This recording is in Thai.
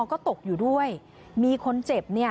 ก็ตกอยู่ด้วยมีคนเจ็บ